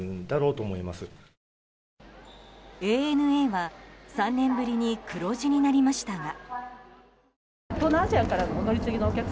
ＡＮＡは３年ぶりに黒字になりましたが。